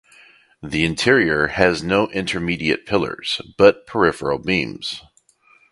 The interior has no intermediate pillars but peripheral beams.